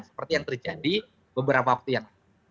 seperti yang terjadi beberapa waktu yang lalu